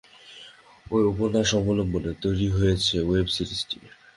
এই উপন্যাস অবলম্বনে তৈরি হয়েছে ওয়েব সিরিজটি।